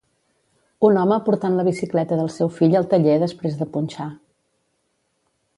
Un home portant la bicicleta del seu fill al taller després de punxar.